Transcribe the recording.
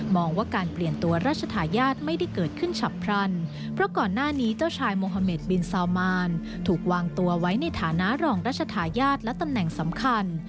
ว่าการเปลี่ยนตัวราชทายาทไม่ได้เกิดขึ้นฉับพลันเพราะก่อนหน้านี้เจ้าชายโมฮาเมดบินซาวมานถูกวางตัวไว้ในฐานะรองราชทายาทและตำแหน่งสำคัญ